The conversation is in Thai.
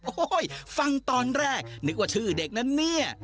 โอ้โหฟังตอนแรกนึกว่าชื่อเด็กนะเนี่ย